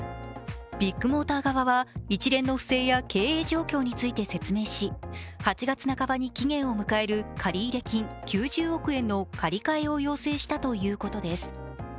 ビッグモーター側は一連の不正や経営状況について説明し８月半ばに期限を迎える借入金９０億円の借り換えを要請したということです。